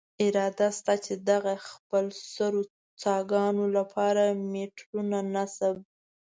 اراده شته، چې دغو خپلسرو څاګانو له پاره میټرونه نصب.